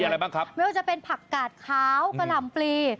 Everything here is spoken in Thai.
อะไรบ้างครับไม่ว่าจะเป็นผักกาดขาวกะหล่ำปลี